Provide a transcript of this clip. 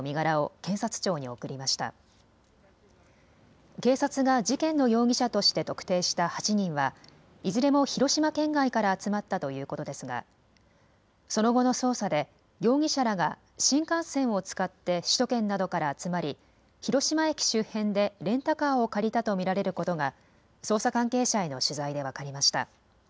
警察が事件の容疑者として特定した８人はいずれも広島県外から集まったということですがその後の捜査で容疑者らが新幹線を使って首都圏などから集まり広島駅周辺でレンタカーを借りたと見られることが捜査関係者への取材で分かりました。